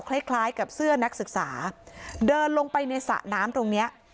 คล้ายคล้ายกับเสื้อนักศึกษาเดินลงไปในสระน้ำตรงเนี้ย